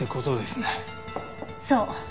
そう。